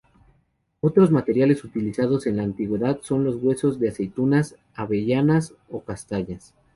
Otros materiales utilizados en la Antigüedad son los huesos de aceitunas, avellanas o castañas.